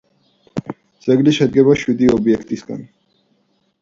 ძეგლი შედგება შვიდი ობიექტისაგან.